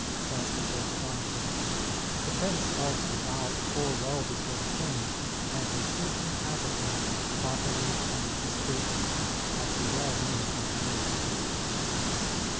says an old chronicler. "The prince also bowed full low before the king, and received him as a king, properly and discreetly, as he well knew how to do."